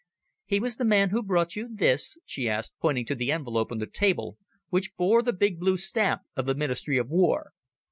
"He was the man who brought you this?" she asked, pointing to the envelope on the table which bore the big blue stamp of the Ministry of War.